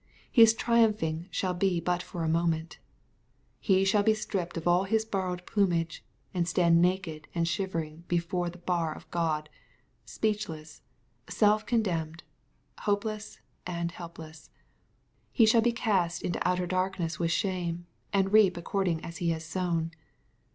His triumphing shall be but for a moment. He shall be stripped of all his borrowed plumage, and stand naked and shivering before the bar of God, speech less, self condemned, hopeless, and helpless. He shall be cast into outer darkness with shame, and reap according as he has sown.